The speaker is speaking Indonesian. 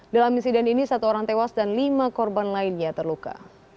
dalam insiden ini satu orang tewas dan lima korban lainnya terluka